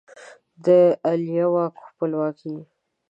د عالیه واک خپلواکي